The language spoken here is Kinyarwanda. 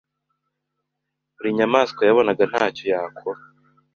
Buri nyamaswa yabonaga nta cyo yakora